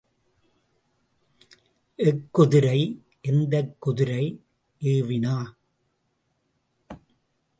எக்குதிரை எந்தக் குதிரை எ வினா.